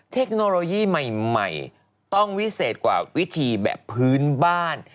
เทคโนโลยีใหม่ต้องวิเศษกว่าวิธีแบบพื้นบ้าน